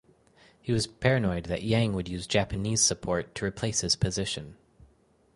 He was paranoid that Yang would use Japanese support to replace his position.